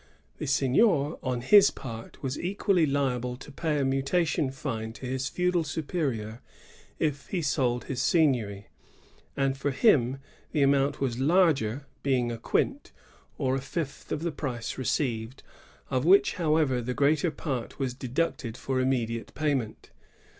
The seignior, on his part, was equally liable to pay a mutation fine to* his feudal superior if he sold his seigniory; and for him the amount was larger,— being a quint^ or a fifth of the price received, of which, however, the greater part was deducted for immediate payment.